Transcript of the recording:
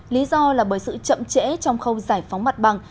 lý do là bởi sự chậm trễ trong khâu giải phóng mặt bằng